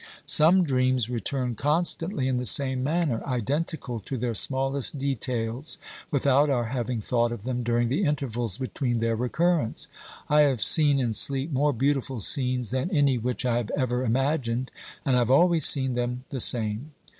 Some dreams return constantly in the same manner, identical to their smallest details, without our having thought of them during the intervals between their recurrence. I have seen in sleep more beautiful scenes than any which I have ever imagined, and I have always seen them the same.